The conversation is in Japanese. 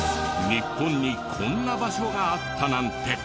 日本にこんな場所があったなんて。